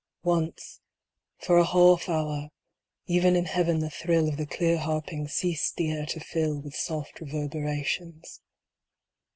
Once, for a half hour, even in heaven the thrill Of the clear harpings ceased the air to fill With soft reverberations.